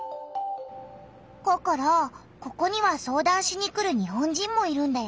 ココロここには相談しに来る日本人もいるんだよ。